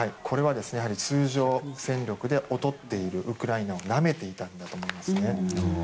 これは通常戦力で劣っているウクライナをなめていたんだと思います。